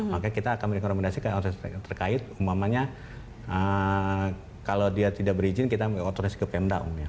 maka kita akan merekomendasi ke otoritas terkait umumannya kalau dia tidak berizin kita menguatres ke pemda umumnya